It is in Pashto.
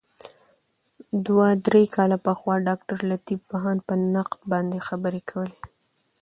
دوه درې کاله پخوا ډاګټرلطیف بهاند په نقد باندي خبري کولې.